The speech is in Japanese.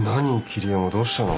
桐山どうしたの？